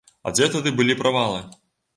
А дзе тады былі правалы?